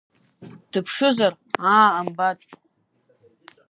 Дыԥшызар, аа, амбатә…